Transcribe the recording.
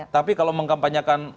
tapi kalau mengkampanyekan